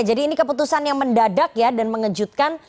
jadi ini keputusan yang mendadak dan mengejutkan